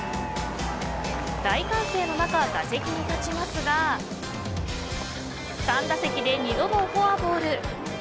大歓声の中、打席に立ちますが３打席で２度のフォアボール。